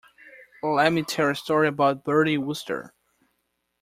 Let me tell you a story about Bertie Wooster.